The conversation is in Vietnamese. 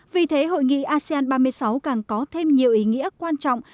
vì thế hội nghị asean ba mươi sáu càng có thêm nhiều ý nghĩa quan trọng